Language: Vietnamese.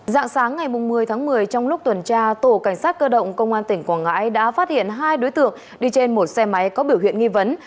dạng sáng ngày một mươi tháng một mươi trong lúc tuần tra tổ cảnh sát cơ động công an tỉnh quảng ngãi đã phát hiện hai đối tượng đi trên một xe máy có biểu hiện nghi vấn